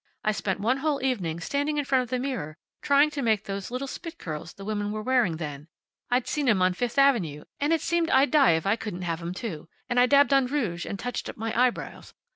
I spent one whole evening standing in front of the mirror trying to make those little spit curls the women were wearing then. I'd seen 'em on Fifth avenue, and it seemed I'd die if I couldn't have 'em, too. And I dabbed on rouge, and touched up my eyebrows.